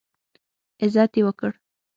عزت یې وکړ.